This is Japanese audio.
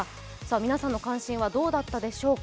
皆さんの関心はどうだったでしょうか。